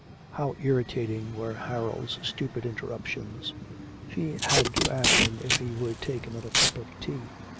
How irritating were Harold's stupid interruptions. She had to ask him if he would take another cup of tea.